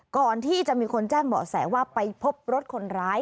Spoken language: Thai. ก่อนที่จะมีคนแจ้งเบาะแสว่าไปพบรถคนร้าย